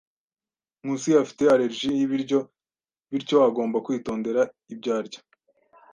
Nkusi afite allergie y'ibiryo, bityo agomba kwitondera ibyo arya.